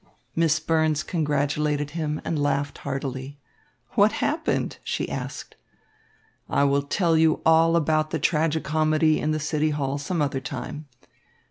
Miss Burns congratulated him and laughed heartily. "What happened?" she asked. "I will tell you all about the tragi comedy in the City Hall some other time.